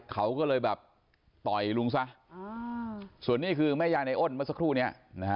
เขาก็เลยแบบต่อยลุงซะส่วนนี่คือแม่ยายนายอ้นมาสักครู่เนี่ย